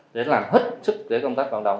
để làm hết sức để công tác vận động